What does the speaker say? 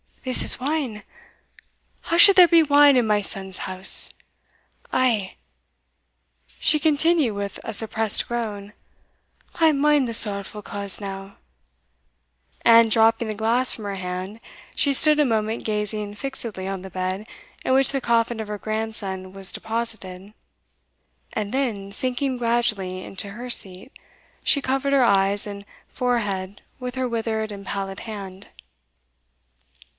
this is wine how should there be wine in my son's house? Ay," she continued with a suppressed groan, "I mind the sorrowful cause now," and, dropping the glass from her hand, she stood a moment gazing fixedly on the bed in which the coffin of her grandson was deposited, and then sinking gradually into her seat, she covered her eyes and forehead with her withered and pallid hand.